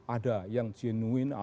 ada yang jenuin